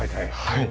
はい。